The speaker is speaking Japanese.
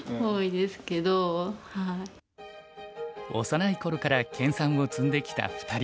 幼い頃から研さんを積んできた２人。